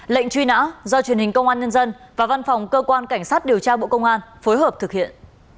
lệnh truy nã do truyền hình công an nhân dân và văn phòng cơ quan cảnh sát điều tra bộ công an phối hợp thực hiện